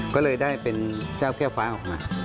ก็เลยได้เป็นเจ้าแก้วฟ้าออกมา